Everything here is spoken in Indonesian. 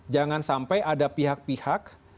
jangan sampai ada pihak pihak